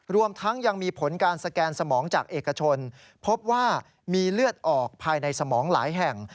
รวมทั้งยังมีผลการสแกนสมองจากเอกชนพบว่ามีเลือดออกภายในสมองหลายแห่ง